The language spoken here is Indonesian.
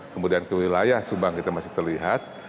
kemudian ke wilayah subang kita masih terlihat